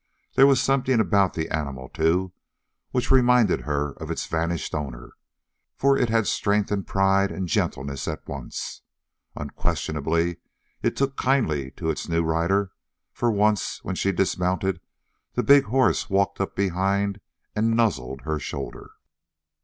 There was something about the animal, too, which reminded her of its vanished owner; for it had strength and pride and gentleness at once. Unquestionably it took kindly to its new rider; for once when she dismounted the big horse walked up behind and nuzzled her shoulder.